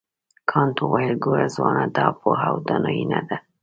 کانت وویل ګوره ځوانه دا پوهه او دانایي نه ده.